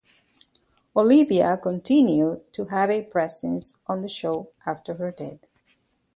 Olivia continued to have a presence on the show after her death.